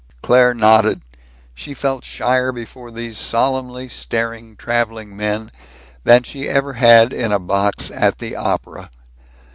Claire nodded. She felt shyer before these solemnly staring traveling men than she ever had in a box at the opera.